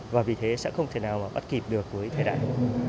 và vì thế sẽ không thể nào mà bắt kịp được với thời đại